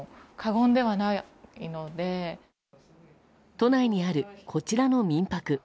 都内にある、こちらの民泊。